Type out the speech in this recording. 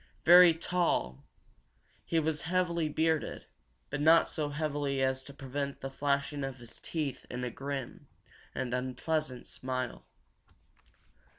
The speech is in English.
Very tall, he was heavily bearded, but not so heavily as to prevent the flashing of his teeth in a grim and unpleasant smile.